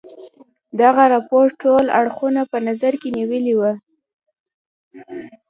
دغه رپوټ ټول اړخونه په نظر کې نیولي وه.